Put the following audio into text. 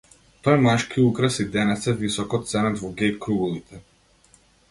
Тој машки украс и денес е високо ценет во геј круговите.